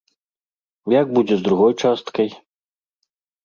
Як будзе з другой часткай?